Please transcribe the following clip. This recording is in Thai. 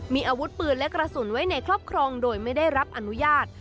มีอาวุธปืนและกระสุนไว้ในครอบครองโดยไม่ได้รับอนุญาต